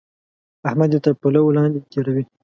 احمد يې تر پلو لاندې تېروي.